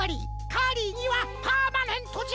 カーリーにはパーマネントじゃ。